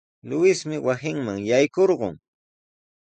Luismi wasinman yaykurqun.